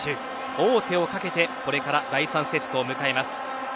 王手をかけて、これから第３セットを迎えます。